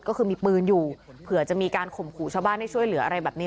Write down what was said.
ก็คือมีปืนอยู่เผื่อจะมีการข่มขู่ชาวบ้านให้ช่วยเหลืออะไรแบบนี้